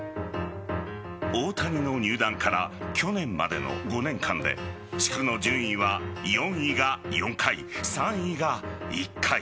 大谷の入団から去年までの５年間で地区の順位は４位が４回３位が１回。